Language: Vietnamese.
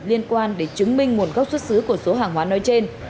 liên quan để chứng minh nguồn gốc xuất xứ của số hàng hóa nói trên